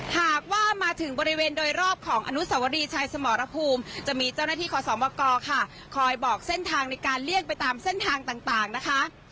หากว่ามาถึงบริเวณโดยรอบของอนุสวรีชัยสมรภูมิจะมีเจ้าหน้าที่ขอสมกค่ะคอยบอกเส้นทางในการเลี่ยงไปตามเส้นทางต่างนะคะ